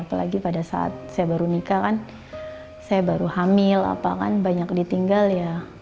apalagi pada saat saya baru nikah kan saya baru hamil apa kan banyak ditinggal ya